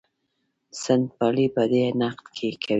سنت پالي په دې نقد کوي.